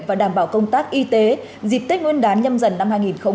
và đảm bảo công tác y tế dịp tết nguyên đán nhâm dần năm hai nghìn hai mươi